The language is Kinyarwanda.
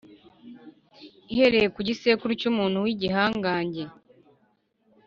ihereye ku gisekuruza cyumuntu wigihangange